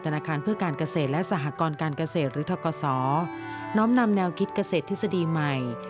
ธนาคารเพื่อการเกษตรและสหกรการเกษตรหรือทกศน้อมนำแนวคิดเกษตรทฤษฎีใหม่